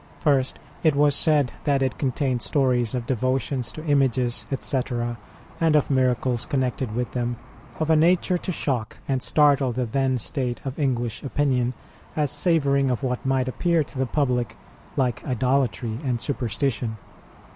First, it was said that it contained stories of Devotions to images, etc., and of miracles connected with them, of a nature to shock and startle the then state of English opinion, as savouring of what might appear to the public like idolatry and superstition.